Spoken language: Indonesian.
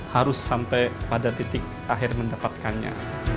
harus sampai pada titik akhir mendapatkannya